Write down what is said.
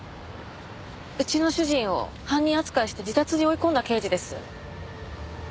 うちの主人を犯人扱いして自殺に追い込んだ刑事です。